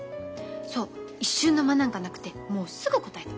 そう一瞬の間なんかなくてもうすぐ答えた。